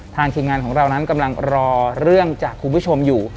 ทีมงานของเรานั้นกำลังรอเรื่องจากคุณผู้ชมอยู่